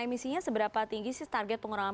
emisinya seberapa tinggi sih target pengurangan